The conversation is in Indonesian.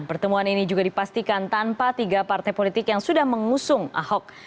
pertemuan ini juga dipastikan tanpa tiga partai politik yang sudah mengusung ahok